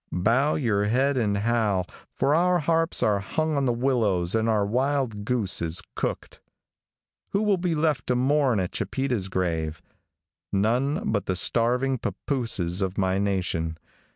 Bow your heads and howl, for our harps are hung on the willows and our wild goose is cooked. Who will be left to mourn at Chipeta's grave? None but the starving pappooses of my nation.